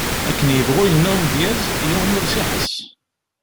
Akken yebɣu yenna umedyaz, yiwen ur s-iḥess.